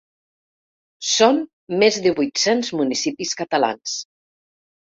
Són més de vuit-cents municipis catalans.